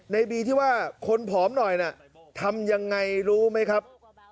ในบีที่ว่าคนผอมหน่อยน่ะทำยังไงรู้ไหมครับ